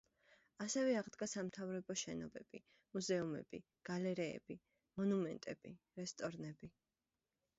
ასევე აღდგა სამთავრობო შენობები, მუზეუმები, გალერეები, მონუმენტები, რესტორნები.